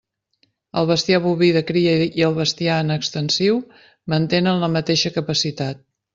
El bestiar boví de cria i el bestiar en extensiu mantenen la mateixa capacitat.